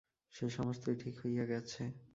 সে-সমস্তই ঠিক হইয়া গেছে।